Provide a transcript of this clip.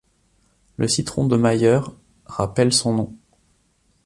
Le citron de Meyer rappelle son nom.